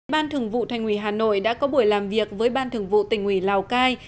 ban thường vụ thành ủy hà nội đã có buổi làm việc với ban thường vụ tỉnh ủy lào cai